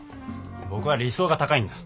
僕は理想が高いんだ。